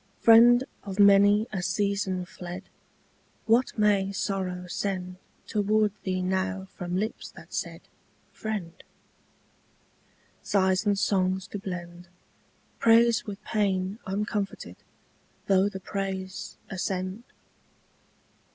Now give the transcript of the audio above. Friend of many a season fled, What may sorrow send Toward thee now from lips that said 'Friend'? Sighs and songs to blend Praise with pain uncomforted Though the praise ascend?